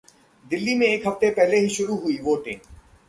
दिल्ली में एक हफ्ते पहले ही शुरू हुई वोटिंग